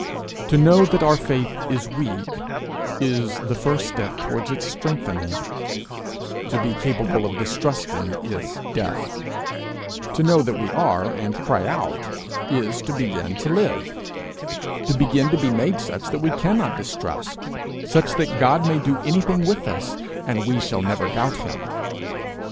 To know that our faith is weak is the first step towards its strengthening; to be capable of distrusting is death; to know that we are, and cry out, is to begin to live to begin to be made such that we cannot distrust such that God may do anything with us and we shall never doubt him.